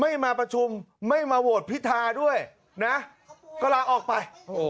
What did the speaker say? ไม่มาประชุมไม่มาโหวตพิธาด้วยนะก็ลาออกไป